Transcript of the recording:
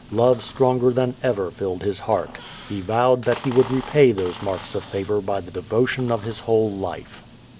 Love stronger than ever filled his heart. He vowed that he would repay those marks of favor by the devotion of his whole life.